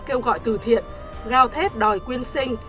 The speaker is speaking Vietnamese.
kêu gọi tư thiện gào thét đòi quyên sinh